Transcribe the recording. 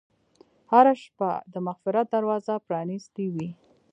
هره شپه د مغفرت دروازه پرانستې وي.